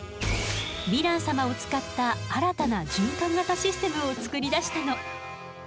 ヴィラン様を使った新たな循環型システムを作り出したの。